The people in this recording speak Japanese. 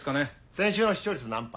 先週の視聴率何％？